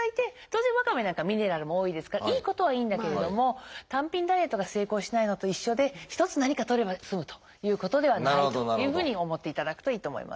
当然ワカメなんかはミネラルも多いですからいいことはいいんだけれども単品ダイエットが成功しないのと一緒で一つ何かとれば済むということではないというふうに思っていただくといいと思います。